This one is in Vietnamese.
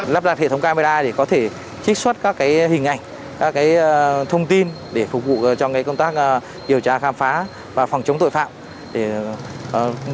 lắp đặt hệ thống camera để có thể trích xuất các hình ảnh các thông tin để phục vụ cho công tác điều tra khám phá và phòng chống tội phạm